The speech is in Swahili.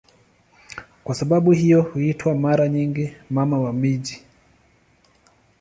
Kwa sababu hiyo huitwa mara nyingi "Mama wa miji".